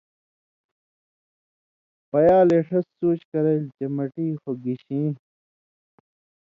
پیالے شس سوچ کرئیل چے مٹی خو گشیں